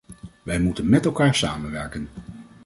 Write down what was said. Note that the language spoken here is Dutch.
Wij moeten met elkaar samenwerken.